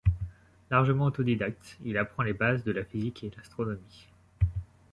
Largement autodidacte, il apprend les bases de la physique et l'astronomie.